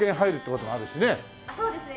そうですね。